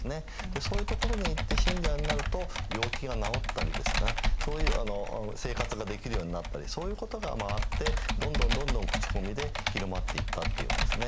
そういう所に行って信者になると病気が治ったりですとかそういう生活ができるようになったりそういうことがあってどんどんどんどんクチコミで広まっていったっていうんですね。